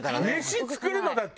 飯作るのだって